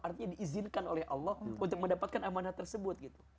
artinya diizinkan oleh allah untuk mendapatkan amanah tersebut gitu